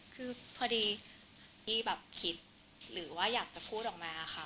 คือพอดีพี่แบบคิดหรือว่าอยากจะพูดออกมาค่ะ